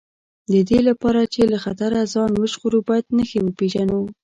د دې لپاره چې له خطره ځان وژغورو باید نښې وپېژنو.